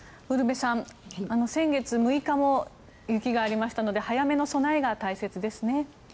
ウルヴェさん先月６日も雪がありましたので早めの備えが大切ですね。